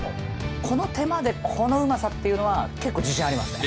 この手間でこのうまさっていうのは結構自信ありますね